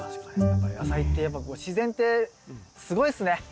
やっぱ野菜ってやっぱ自然ってすごいっすね！